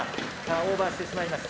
オーバーしてしまいました。